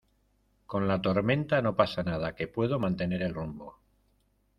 con la tormenta no pasa nada, que puedo mantener el rumbo.